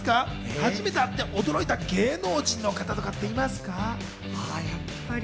初めて会って驚いた芸能人の方いますか？